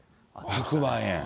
１００万円。